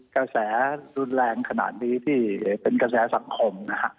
กระแสรุนแรงขนาดนี้ที่เป็นกระแสสังคมนะฮะ